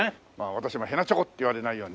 私もへなちょこって言われないように。